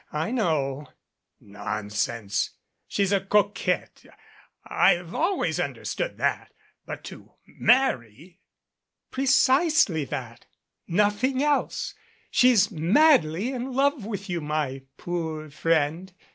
I know." "Nonsense. She's a coquette. I've always under stood that, but to marry /" "Precisely that nothing else. She's madly in love with you, my poor friend.